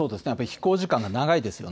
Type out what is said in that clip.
飛行時間が長いですよね。